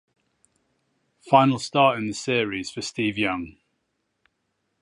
Final start in the series for Steve Young.